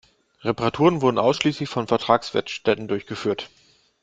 Reparaturen wurden ausschließlich von Vertragswerkstätten durchgeführt.